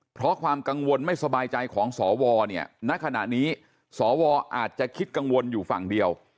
เพราะความกังวลไม่สบายใจของสวเนี่ยณขณะนี้สวอาจจะคิดกังวลอยู่ฝั่งเดียว